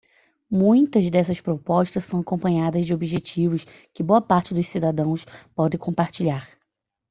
Muitas dessas propostas são acompanhadas de objetivos que boa parte dos cidadãos pode compartilhar.